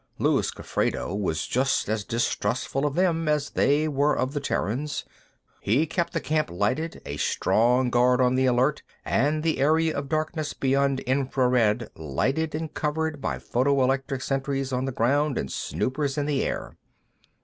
Luis Gofredo was just as distrustful of them as they were of the Terrans; he kept the camp lighted, a strong guard on the alert, and the area of darkness beyond infra red lighted and covered by photoelectric sentries on the ground and snoopers in the air.